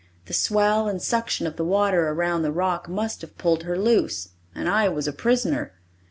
The swell and suction of the water around the rock must have pulled her loose and I was a prisoner!